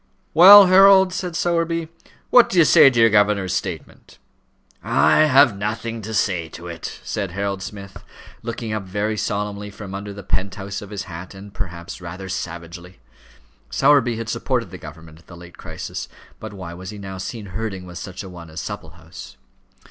"Well, Harold," said Sowerby, "what do you say to your governor's statement?" "I have nothing to say to it," said Harold Smith, looking up very solemnly from under the penthouse of his hat, and, perhaps, rather savagely. Sowerby had supported the government at the late crisis; but why was he now seen herding with such a one as Supplehouse?